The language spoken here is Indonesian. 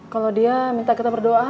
kalau dia minta kita berdoa